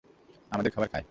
আমাদের খাবার খায়।